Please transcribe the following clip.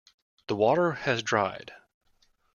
The water has dried.